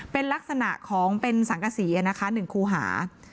เป็นลักษณะของเป็นสังกษีนะคะ๑คูหา